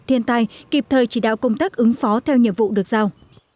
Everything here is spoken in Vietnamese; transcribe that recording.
thiên tai kịp thời chỉ đạo công tác ứng phó theo nhiệm vụ được giao